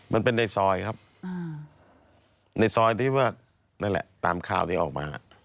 ในซอยครับในซอยที่ว่านั่นแหละตามข่าวนี้ออกมา